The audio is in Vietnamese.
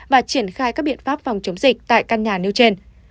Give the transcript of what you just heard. và triển khai các biện pháp phòng chống dịch tại căn nhà nêu trên